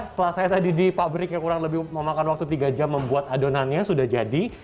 setelah saya tadi di pabrik yang kurang lebih memakan waktu tiga jam membuat adonannya sudah jadi